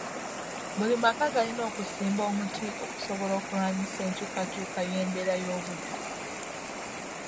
Buli maka galina okusimba omuti okusobola okulwanyisa enkuyukakyuka y'embeera y'obudde.